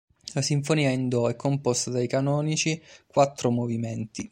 La Sinfonia in do è composta dai canonici quattro movimenti.